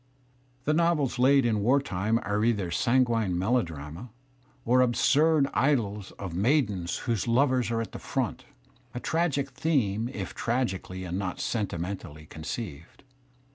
The novels laid in war time are either sanguine melodrama or absurd idyls of maidens9\ whose lovers are at the front — a tragic theme if tragically • and not sentimentally conceived.